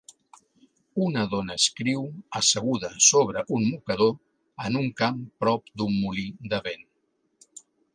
Una dona escriu asseguda sobre un mocador en un camp prop d'un molí de vent.